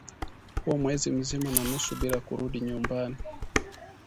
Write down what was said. huko mwezi mzima na nusu bila kurudi nyumbani